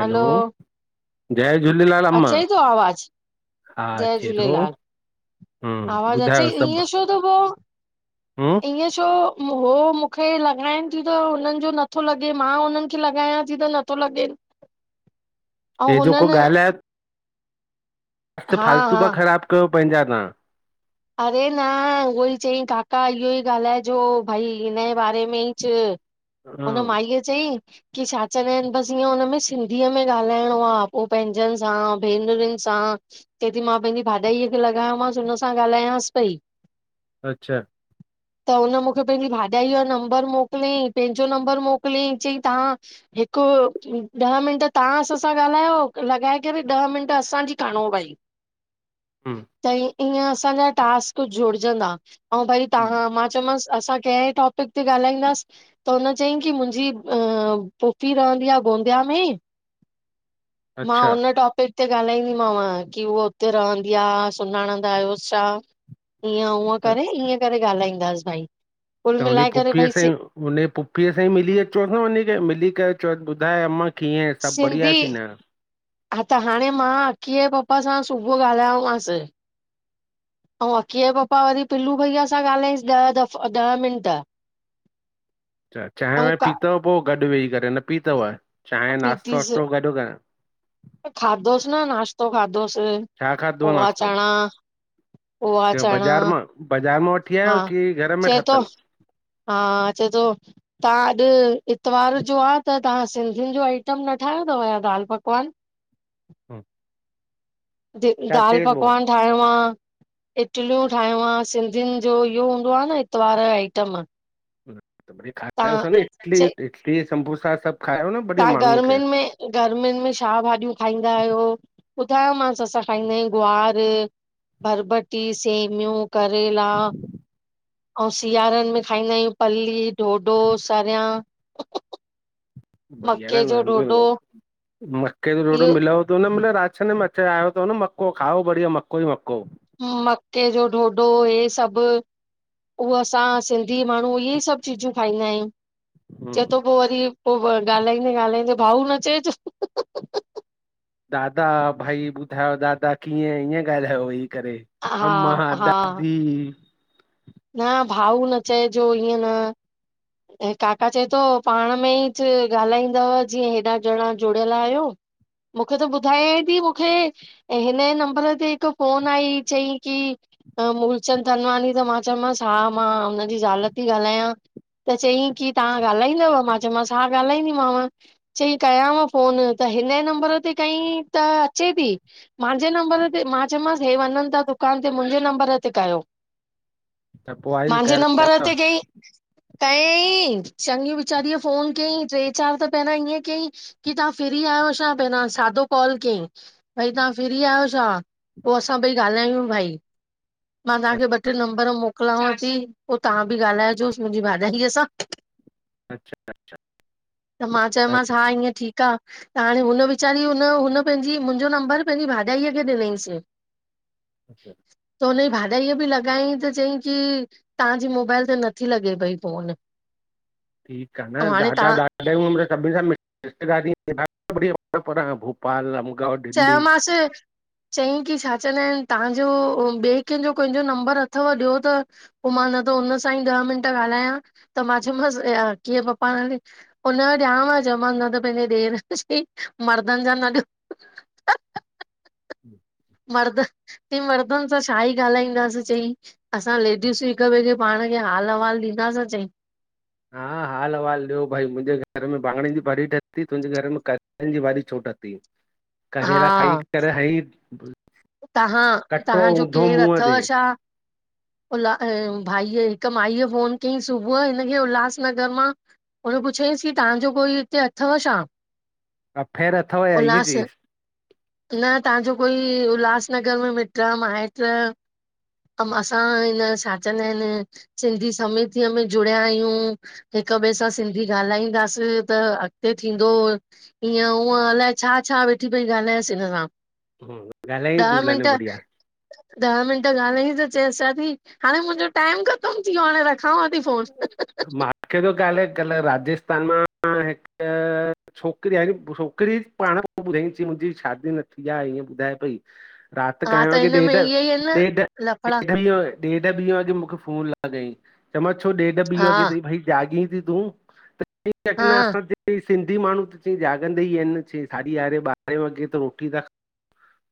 हलो जय झूलेलाल अम्मां अचेई थो आवाज़ हा जय अचे थो। झूलेलाल हूं ॿुधायो सभु त पोई हूं ईअं छो हो मूंखे लॻाइनि थीयूं त हुनिन जो नथो लॻे मां हुननि खे लॻायां थी त न। त नथो लॻे ऐं हे जेको हुननि ॻाल्हाए बस हा फालतू हा पिया ख़राब कयो पंहिंजा तव्हां। अरे न उहो ई चयईं काका इहो ई ॻाल्हाइ जो भई हिनॼे बारे में ई च। हा, हुन माईअ चयईं कि छा चवंदा आहिन बसि ईअं हुन में सिंधीअ में ॻाल्हाइणो आ पोइ पंहिंजन सां भेनरुन सां चएती मां पंहिंजी भाॼाईअ खे लॻायोमांसि हुन सां ॻाल्हायांस पई। अच्छा - - [inaudible] त हुन मूंखे पंहिंजी भाॼाई जो नंबर मोकिलियाईं पंहिंजो नंबर मोकिलयाईं चयईं तव्हां हिकु ॾह मिंट तव्हां असां सां ॻाल्हायो लॻाए करे ॾह मिंट असांजी खंड़ो भई - - [inaudible] हूं त ईअं असांजा टास्क जुड़जंदा ऐं भई हम्म, तव्हां मां चयोमांसि। असां केंहिं टॉपिक ते ॻाल्हाईंदासि। त हुन चयईं की मुंहिंजी पूफ़ी रहंदी आ गोंदिया में। मां अच्छा हुन टॉपिक ते ॻाल्हाईंदीमाव की उहा उते रहंदी आ सुञाणंदा आहियोसि छा। ईअं उअं त करे ईअं करे ॻाल्हाईंदासि भई कुल मिलाए करे भई सिंधी हुनजी पुफ़ीअ सां ई मिली अचोस न वञी करे मिली करे चओस ॿुधाए अम्मा कीअं आहे, सभु बढ़िया सिंधी की न हा त हाणे मां अकीअ जे पापा सां सुबुह ॻाल्हायोमासि। ऐं अकीअ जे पपा वरी पिलू भईया सां ॻाल्हायईंसि ॾह दफ़ा ॾह मिंट। चाए ऐं वाए का पीतुव पोइ गॾु वेही करे न पीतुव चाए नाश्तो वाास्तो गॾु कर। खाधोसे न नाश्तो खाधोसे छा खादुव नाश्तो। पोहा चणा बाज़ार मां बाज़ार मां वठी हा आयो की घर में चए थो ठातल हा चए थो तव्हां अॼु इतवार जो आ त तव्हां सिंधियुन जो आइटम न ठाहियो अथव छा दाल पकवान। हूं द दाल पकवान ठाहेड़ो आ। इटलियूं ठाहयूं आ सिंधियुन जो इहो हूंदो आ न इतवार जो आइटम। त ब़ तव्हां खारायोस आन च इडली इडली ऐं सम्बोसा सभु खारायो न बढ़िया तव्हां माण्हुन खे। गर्मियुनि में गर्मियुनि में छा भाॼियूं खाईंदा आहियो ॿुधायोमासि असां खाईंदा आहियूं गुआर। बरबटी सेमियूं करेला। अउं सियारनि में खाईंदा आहियूं पल्ली, डोडो सरिया। बढ़िया न जो ढोढो न मक्के जो डोडो इहो मिलव थो न मितल राज छ न म - - आयो त न मक्को खाओ बढिया मक्को ई मक्को - - ह मक्के जो डोडो हे सभु - - उह असां सिंधी माण्हू इहे ई सभु चीजूं खाईंदा आहियूं। चए हम्म थो पोइ वरी पोइ, ॻाल्हाईंदे- ॻाल्हाईंदे भाऊ न चएजो। दादा भई ॿुधायो दादा कीअं ईीअं ॻाल्हायो वेही करे। हा अम्मा हा दादी - - न भाऊ न चइजो इअं न ऐं काका चए तो पाण में ई च ॻाल्हाईंदव, जीअं हेॾा ॼणा जुड़ियल आहियो। मुखे त ॿुधायांं ती मुखे ऐं हिनजे नंबर ते हिकु फोन आई, चईं की मूलचंद तनवानी त मां चमांसि हा मां हुनजी ज़ाल ती ॻाल्हायां। त चयईं की तहां ॻाल्हाईंदव मां चयोमसि हा ॻाल्हाईंदीमांव चई कयांव फ़ोन त हिन नंबर ते कयईं त अचे ती मांजे नम्बर ते मां चयोमांसि, हे वञनि ता दुकान ते मुंहिंजे नम्बर ते कयो त पोइ आई मांजे कर नंबर ते कयईं। कयईं, चङी वीचारीअ फोन कयईं टे चारि त पहिरे ईअं कयईं। कि तहां फ्री आहियो छा? पहिरियां सादो कॉल कयईं। भई तहां फ्री आहियो छा पोइ असां ॿई ॻाल्हायूं, भई मां तहांखे ॿ टे नम् मोकिलांव, ती पोइ तहां बि ॻाल्हाइजोसि मुंहिंजी भाॼाईअ सां। अच्छा। त मां चयोमांसि हा ईंअ ठीकु आ। हाणे हुन वीचारी हुन हुन पंहिंजी मुंहिंजो नंबर पंहिंजी भाॼाईअ खे ॾिनईंस। [inaudible] जी [inaudible] त उन जी भाॼईअ बि लॻाईंस। चई की तहांजी मोबाइल ते नथी लॻे पई फोन। ठीक आ न ऐं हाणे ॾाढा तव्हां ॾा तॾहिं सभिनि सां रिश्तेदारीढढ भोपाल अमगढ [unintelligible] चयोमांसि चयईं की छा चवंदा आहिन तहांजो, ॿिए कंहिंजो कंहिंजो नंबर अथव ॾियो त। पोइ मां न त हुन सां ई ॾह मिंट ॻाल्हायां त मां चयोमांसि कीअं पप्पा हाणे हुनजो ॾियांव चयोमासि न त पंहिंजे ॾेर चईं मर्दनि जा न ॾियो [unintelligible] हम [inaudible] मर्द चईं मर्दनि सां छा ई ॻाल्हाईंदासीं चई असां लेडीस ई हिकु ॿिए खे पाण खे हाल अहिवालु ॾींदाासीं चईं। हा [inaudible] हाल अहिवालु ॾियो भाई मुंहिंजे घर में वांॻणनि जी भाॼी ठती, तुंहिंजे घर में कचनि जी भाॼी छो ठती। [inaudible] करेला खाई करे ह ई। तहां तहांजो केरु मुंहं अथव ते छा? उल्हा भाईअ हिकु माईअ फोन कयईं सुबुह हिनखे उल्हासनगर मां हुन पुछियईंसि कि तहांजो कोई हिते अथव छा? अफेर अथव छा ईंअं उल्हास चीस। न तहांजो कोई उल्हासनगर में मिट्र आ माइट्र अऊं असां हिन छा चवंदा आहिन सिंधी समतीअ में जुड़िया आहियूं। हिक ॿे सां सिंधी ॻाल्हाईंदास त अॻते थींदो। ईअं हूअं अलाए छा छा वेठी पई ॻाल्हायस हिन सां। हम। ॾह मिंट ॾह मिंट ॻाल्हाइस त चेस छाती हाणे मुंजो टाइम ख़तम थी वियो हाणे रख खावांती फोस। मुखे त कल कल राजस्थान मां हिक छोकिर आहे, छोकरी पाण ॿुधाईस मुंजी शादी न थी आ ईअं ॿुधाए पई। रात हा काएं त वॻे? हिन में इहे ई आहिनि न ॾेढ लफड़ा ॾेढ ॾेढ ॾेढ ॿी वॻे मूंखे फोन लॻाईं, चमांस छो ॾेढ ॿी हा वॻे तई भई जाॻीं थी तूं। ठीक आहे न हा असां बी चईं, सिंधी माण्हू त चईं जाॻदा ई आहिन चईं साढी यारहे ॿारहे वॻे त रोटी त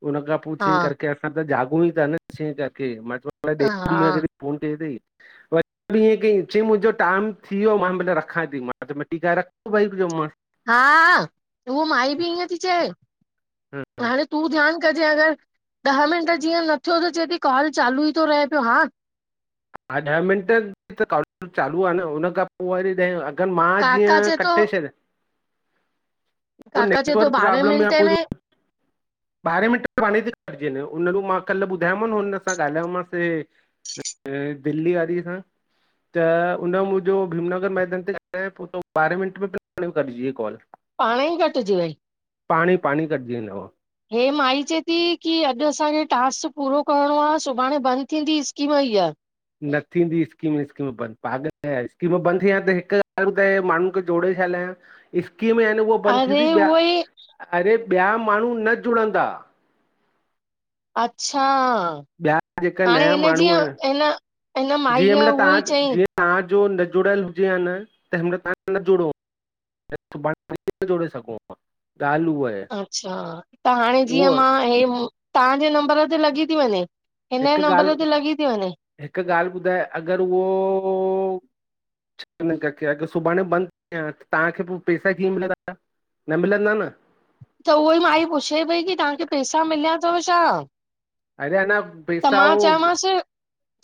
हुन खा पो हा चई करके अस त जागूं ई था न चई करके मां हा फोन कई तईं व हीअ कईं, चईं मुंजो टाम थी वियो मां भले रखांथी मां चयो मांस रख भई। हा उअ माई बि ईअं ती चए हा हाणे तू ध्यान कजे अगर ॾह मिंट जीअं नथो थो चएती कॉल चालू ई थो रहे पयो हा। हा, ॾह मिंट त कॉल चालू आ न हुन खां पो वरी ॾह मां काका जीअं चए थो कटे छॾ काका चएतो ॿारहे प्रॉब्लम या मिंटे कुझु में ॿारहें मिटन मे पाणई ती कटजी वने, मां कल ॿुधायो माउ न हुन सां ॻाल्हायोमांस [inaudible] ऐं दिल्ली वारी खां। त उन मुंजो भीमनगर मैदान ते पो त ॿारहे मिंटन में कटजी वयी कॉल। पाणे ई कटजी वई। पाणे इ पाणे इ कटजी वेंदव। हे माई चएती कि अॼ असांखे टास्क पूरो करणो आ, सुभाणे बंद थीदी स्कीम हीअ। न थींदी स्कीम-स्कीम बंद, पागल आ छा? स्कीम बंद थीये हा त माण्हुन खे जोड़े छा लाय हा। इस्कीम याने उअ बंद अरे थींदी, ॿया उहो ई अरे ॿया माण्हू न जुड़ंदा। अच्छा! ॿिया जेका हाणे नया हिन माण्हू जीअं आहिनि हिन हिन माईअ उवई चईं। तहां जो न जुड़ियल हुजे या न त हिनमल तहां न जुड़ो [unintelligible] ॻाल उअ आए। अच्छा, त हाणे जीअं मां हे तव्हांजे नंबर ते लॻी थी वञे। हिन नंबर ते लॻी थी वञे। हिक ॻाल्ह ॿुधाए अगर उवो अगर सुभाणे बंद थे आ त तहांखे पो पैसा कीअं मिलंदा? न मिलंदा न। त उवई माई पुछे पई की तव्हांखे पैसा मिलया तव छा? अरे अञा पैसा ओ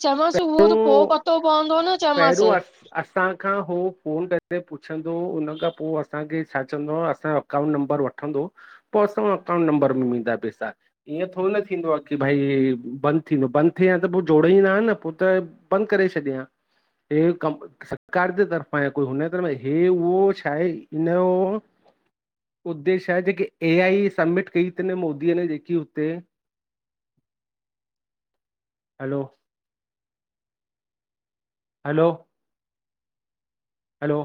चमस उहो त पो पतो पवंदो न। पहिरूं चयोमांसि अस असा खा उह फ़ोन करे पुछंदो हुन खा पोइ असांखे छा चवंदो आ असाजो अकाउं नबर वठंदो पोइ असां अकाउट नबर में ईंदा पेसा। ईंअ थोर न थींदो आ की भई बंद थींदो बद थिए या त पोइ जोड़े ई न हा न पोइ त बद करे छडेया हे कम। सरकार जे तरफ़ा आहे कोई हुन तरफा, हे उहो छा आहे इनहो उद्देश आहे जेके ए आई सबमिट, कई तन मोदीअ ने जेकी हुते [inaudible] हलो हलो हलो